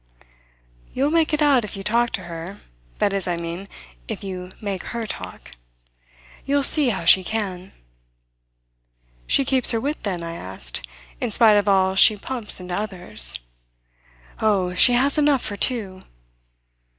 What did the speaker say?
"You'll make it out if you talk to her that is, I mean, if you make her talk. You'll see how she can." "She keeps her wit then," I asked, "in spite of all she pumps into others?" "Oh, she has enough for two!"